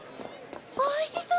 おいしそう！